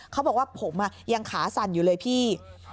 เขาบอกว่าผมยังขาสั่นอยู่เลยพี่